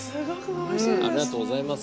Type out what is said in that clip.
ありがとうございます。